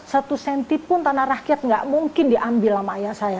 satu senti pun tanah rakyat nggak mungkin diambil sama ayah saya